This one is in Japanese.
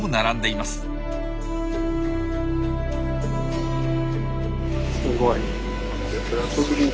すごい！